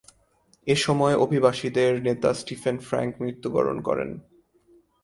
এসময় অভিবাসীদের নেতা স্টিফেন ফ্রাঙ্ক মৃত্যুবরণ করেন।